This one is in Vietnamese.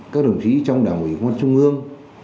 các đồng chí trong đảng ủy công an trung ương